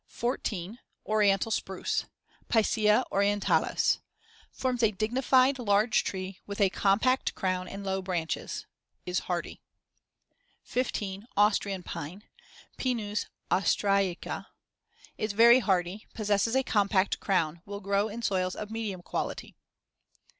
Oriental spruce (Picea orientalis) Forms a dignified, large tree with a compact crown and low branches; is hardy. 15. Austrian pine (Pinus austriaca) Is very hardy; possesses a compact crown; will grow in soils of medium quality.